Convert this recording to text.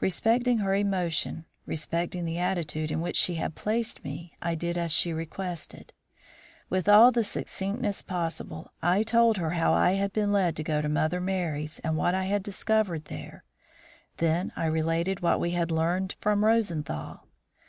Respecting her emotion, respecting the attitude in which she had placed me, I did as she requested. With all the succinctness possible, I told her how I had been led to go to Mother Merry's and what I had discovered there. Then I related what we had learned from Rosenthal.